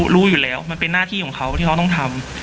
รู้อยู่แล้วมันเป็นหน้าที่ของเขาที่เขาต้องทำ